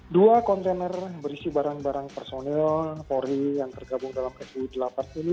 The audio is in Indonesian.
dua kontainer berisi barang barang personil polri yang tergabung dalam fu delapan ini